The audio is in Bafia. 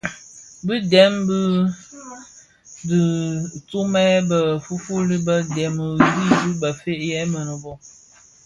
Bi dèm bi dhi tumèn bë fuufuli bë dhemi remi bëfëëg yè mënōbō.